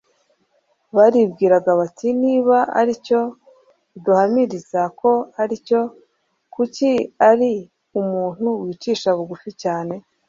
Baribwiraga bati : «Niba ari cyo aduhamiriza ko ari cyo kuki ari umuntu wicisha bugufi cyane?